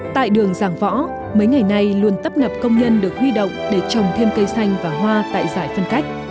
tại đường giảng võ mấy ngày nay luôn tấp nập công nhân được huy động để trồng thêm cây xanh và hoa tại giải phân cách